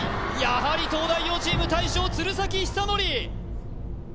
やはり東大王チーム大将・鶴崎修功